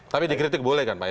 tapi dikritik boleh kan pak ya